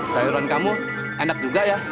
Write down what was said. sayuran kamu enak juga ya